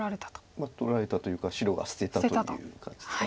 取られたというか白が捨てたという感じですか。